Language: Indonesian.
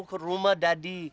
ke rumah dari